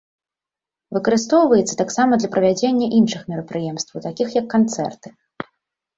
Выкарыстоўваецца таксама для правядзення іншых мерапрыемстваў, такіх як канцэрты.